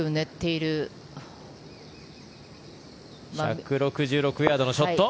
１６６ヤードのショット。